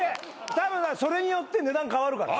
たぶんそれによって値段変わるから。